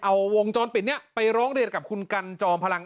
เอาวงจรปิดนี้ไปร้องเรียนกับคุณกันจอมพลัง